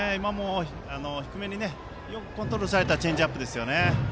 低めによくコントロールされたチェンジアップですね。